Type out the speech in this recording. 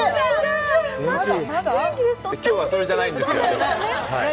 今日はそれじゃないんですよ。